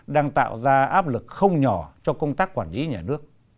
đang tạo ra áp lực không nhỏ cho công tác quản lý nhà nước